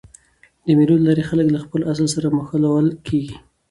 د مېلو له لاري خلک له خپل اصل سره مښلول کېږي.